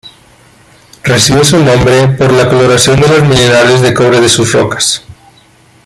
Recibió su nombre por la coloración de los minerales de cobre de sus rocas.